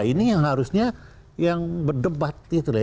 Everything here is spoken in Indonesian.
ini yang harusnya yang berdebat